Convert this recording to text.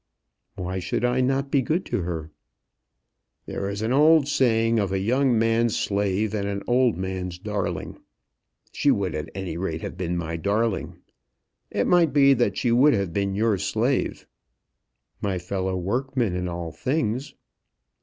"Why should I not be good to her?" "There is an old saying of a young man's slave and an old man's darling. She would at any rate have been my darling. It might be that she would have been your slave." "My fellow workman in all things."